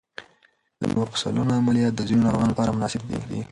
د مفصلونو عملیات د ځینو ناروغانو لپاره مناسب دي.